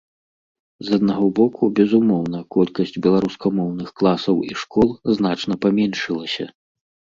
З аднаго боку, безумоўна, колькасць беларускамоўных класаў і школ значна паменшылася.